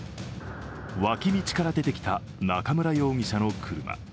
脇道から出てきた中村容疑者の車。